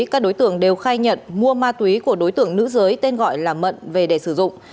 các đối tượng đều khai nhận mua ma túy của đối tượng nữ giới tên gọi là mận về để sử dụng